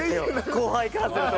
後輩からすると。